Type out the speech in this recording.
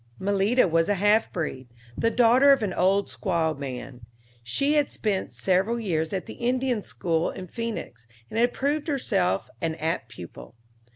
Malita was a half breed, the daughter of an old squaw man. She had spent several years at the Indian school in Phœnix, and had proved herself an apt pupil.